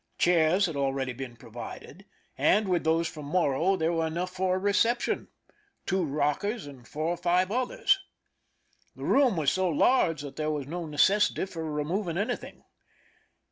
Chairs had already been provided, and with those from Morro there were enough for a reception— two rockers and four or five others. The room was so large that there was no necessity for removing anything.